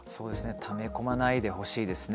ため込まないでほしいですね。